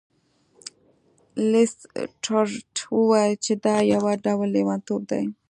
لیسټرډ وویل چې دا یو ډول لیونتوب دی.